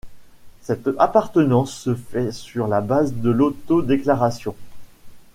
Cette appartenance se fait sur la base de l'auto-déclaration.